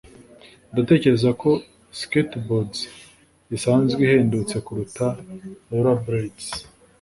Ndatekereza ko skateboards isanzwe ihendutse kuruta rollerblades